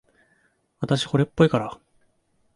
あたし、惚れっぽいから。